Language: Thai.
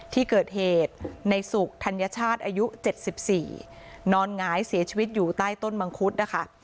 ที่เกิดเหตุในสุขธัญชาติอายุ๗๔นอนหงายเสียชีวิตอยู่ใต้ต้นมังคุดนะคะ